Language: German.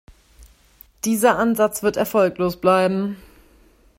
Dieser Ansatz wird erfolglos bleiben.